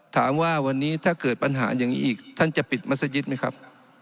ถามว่าวันนี้ถ้าเกิดปัญหาอย่างนี้อีกท่านจะปิดมัศยิตไหมครับ